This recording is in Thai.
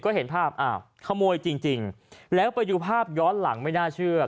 ก็เห็นภาพอ้าวขโมยจริงแล้วไปดูภาพย้อนหลังไม่น่าเชื่อ